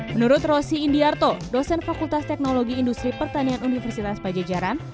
menurut rosi indiarto dosen fakultas teknologi industri pertanian universitas pajajaran